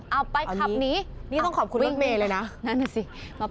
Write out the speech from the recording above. เอ้าไปขับหนี